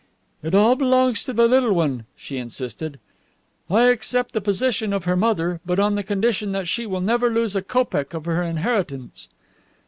"It all belongs to the little one," she insisted. "I accept the position of her mother, but on the condition that she shall never lose a kopeck of her inheritance."